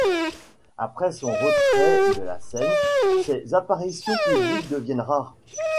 Après son retrait de la scène, ses apparitions publiques deviennent rares.